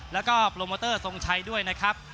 แล้วก็โปรโมเตอร์ทรงชัยด้วยนะครับ